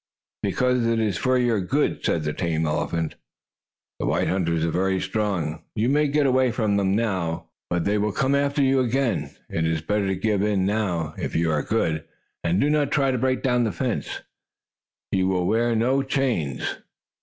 "Because it is for your good," said the tame elephant. "The white hunters are very strong. You may get away from them now, but they will come after you again. It is better to give in now. If you are good, and do not try to break down the fence, you will wear no chains."